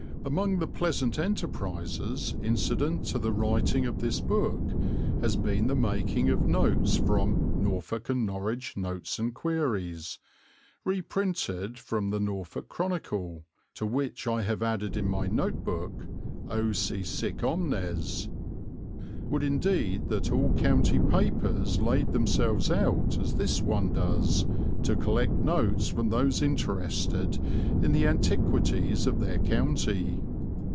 Among the pleasant enterprises incident to the writing of this book has been the making of notes from Norfolk and Norwich Notes and Queries, reprinted from the Norfolk Chronicle, to which I have added in my note book O si sic omnes! Would indeed that all county papers laid themselves out, as this one does, to collect notes from those interested in the antiquities of their county.